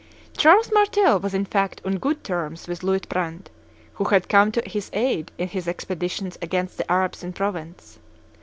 Charles Martel was in fact on good terms with Luitprandt, who had come to his aid in his expeditions against the Arabs in Provence.